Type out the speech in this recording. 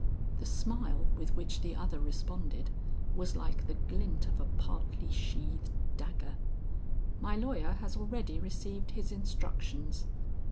The smile with which the other responded was like the glint of a partly sheathed dagger. "My lawyer has already received his instructions.